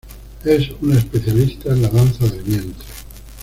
Es una especialista en la danza del vientre.